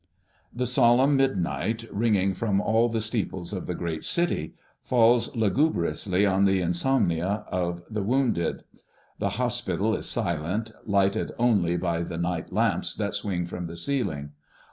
The solemn midnight, ringing from all the steeples of the great city, falls lugubriously on the insomnia of the wounded. The hospital is silent, lighted only by the night lamps that swing from the ceiling.